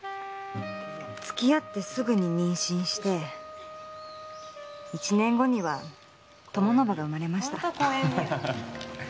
付き合ってすぐに妊娠して１年後には友宣が生まれました。